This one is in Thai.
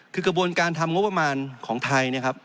คือกระบวนการทำงบประมาณของไทยนะครับ